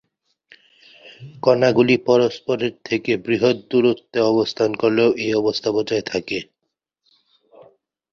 কণা গুলি পরস্পরের থেকে বৃহৎ দূরত্বে অবস্থান করলেও এই অবস্থা বজায় থাকে।